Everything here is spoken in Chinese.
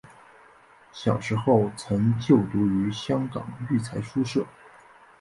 小时候曾就读于香港育才书社。